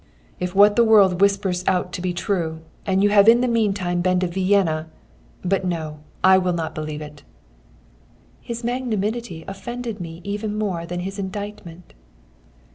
"'If what the world whispers turns out to be true, and you have in the meantime been to Vienna but no! I will not believe it.' "His magnanimity offended me even more than his indictment.